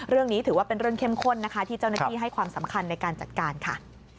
เรื่องนี้ถือว่าเป็นเรื่องเข้มข้นนะคะที่เจ้าหน้าที่ให้ความสำคัญในการจัดการค่ะ